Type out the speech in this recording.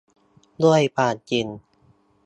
ด้วยความจริง